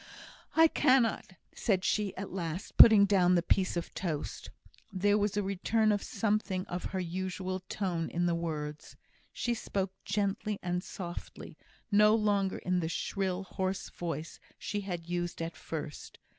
"I cannot," said she at last, putting down the piece of toast. There was a return to something of her usual tone in the words. She spoke gently and softly; no longer in the shrill, hoarse voice she had used at first.